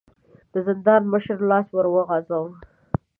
د زندان مشر لاس ور وغځاوه.